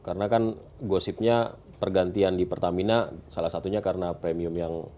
karena kan gosipnya pergantian di pertamina salah satunya karena premium yang